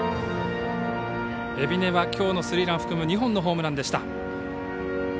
海老根はきょうのスリーラン含む２本のホームランでした。